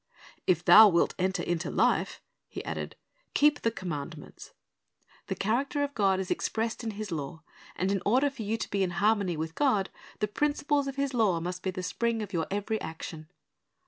"If thou wilt enter into life," He added, "keep the commandments." The character of God is expressed in His law; and in order for you to be in harmony with God, the principles of His law must be the spring of your every action.